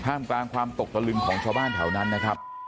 ต้านฝั่งความตกละลืมของชาวบ้านแถวนั้นนะครับ